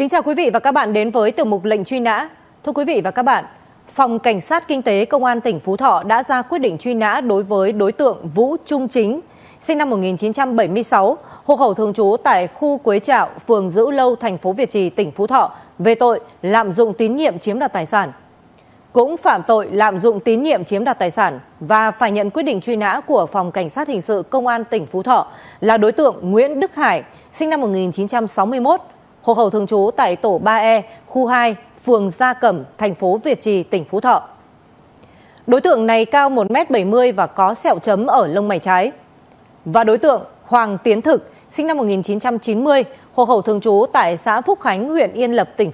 hãy đăng ký kênh để ủng hộ kênh của chúng mình nhé